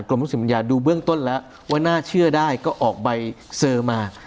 กรมศึกษัตริยาดูเบื้องต้นแล้วว่าน่าเชื่อได้ก็ออกใบเสิร์ฟมา